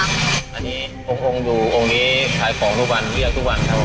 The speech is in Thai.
อันนี้องค์ดูองค์นี้ขายของทุกวันเรียกทุกวันครับผม